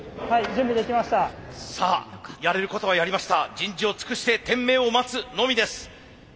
人事を尽くして天命を待つのみです。